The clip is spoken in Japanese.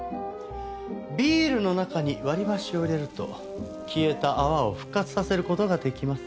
ビールの中に割り箸を入れると消えた泡を復活させる事ができます。